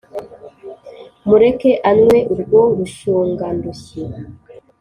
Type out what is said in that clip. mureke anywe urwo rushungandushyi,